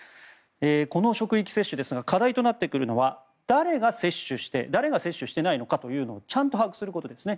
この職域接種ですが課題となってくるのは誰が接種して誰が接種していないのかをちゃんと把握することですね。